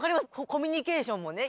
コミュニケーションもね。